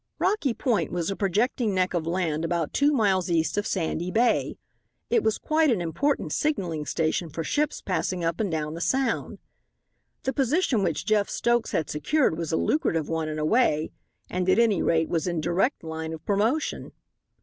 Rocky Point was a projecting neck of land about two miles east of Sandy Bay. It was quite an important signalling station for ships passing up and down the Sound. The position which Jeff Stokes had secured was a lucrative one in a way, and, at any rate, was in direct line of promotion.